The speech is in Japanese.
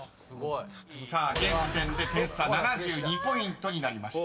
［さあ現時点で点差７２ポイントになりました］